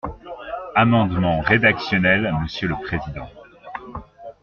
Amendement rédactionnel, monsieur le président.